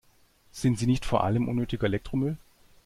Sind sie nicht vor allem unnötiger Elektromüll?